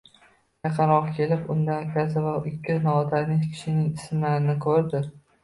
Yaqinroq kelib unda akasi va ikki notanish kishining ismlarini ko`rdi